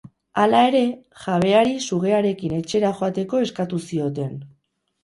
Hala ere, jabeari sugearekin etxera joateko eskatu zioten.